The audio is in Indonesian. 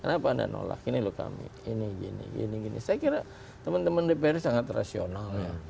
kenapa anda nolak ini loh kami ini gini gini saya kira teman teman dprd sangat rasional ya